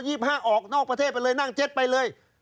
ออกนอกประเทศไปเลยนั่งเจ็ดไปเลย